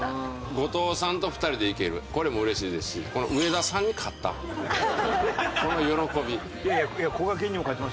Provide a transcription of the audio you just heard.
後藤さんと２人で行けるこれも嬉しいですし上田さんに勝ったこの喜び。